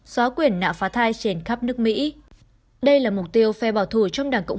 xóa quyền nạ phá thai trên khắp nước mỹ đây là mục tiêu phe bảo thủ trong đảng cộng